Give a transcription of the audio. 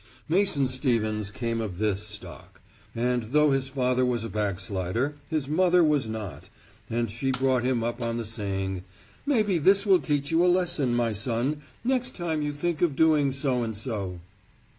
Mason Stevens came of this stock. And though his father was a backslider, his mother was not, and she brought him up on the saying, "Maybe this will teach you a lesson, my son, next time you think of doing so and so."